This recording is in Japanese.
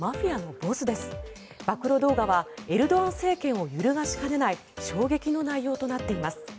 暴露動画はエルドアン政権を揺るがしかねない衝撃の内容となっています。